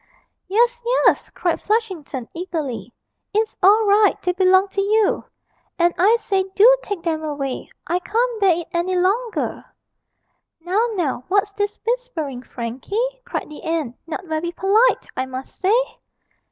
'Yes, yes!' cried Flushington, eagerly; 'it's all right, they belong to you; and, I say, do take them away; I can't bear it any longer!' 'Now, now, what's this whispering, Frankie?' cried the aunt; 'not very polite, I must say!'